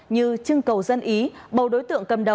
như trưng cầu dân ý bầu đối tượng cầm đầu